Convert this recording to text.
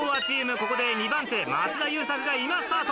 ここで２番手松田優作が今スタート。